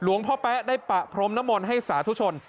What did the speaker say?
พ่อแป๊ะได้ปะพรมนมลให้สาธุชน